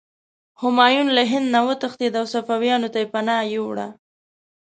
همایون له هند نه وتښتېد او صفویانو ته پناه یووړه.